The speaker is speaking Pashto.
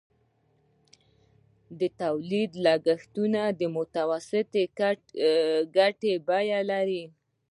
د تولید لګښتونه د متوسطې ګټې بیه لري